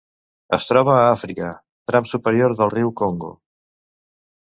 Es troba a Àfrica: tram superior del riu Congo.